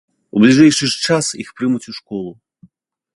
У бліжэйшы час іх прымуць у школу.